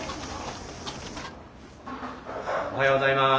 おはようございます。